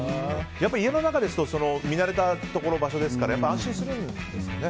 やっぱり家の中ですと見慣れたところ、場所ですから安心するんですかね。